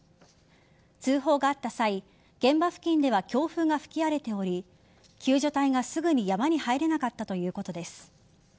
通報があった際現場付近では強風が吹き荒れており救助隊がすぐに山に入れなかったということです。